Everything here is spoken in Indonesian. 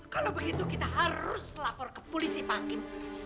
kalau begitu kita harus lapor ke polisi pak hakim